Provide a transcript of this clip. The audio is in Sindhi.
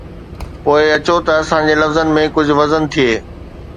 پوءِ اچو ته اسان جي لفظن ۾ ڪجهه وزن ٿئي.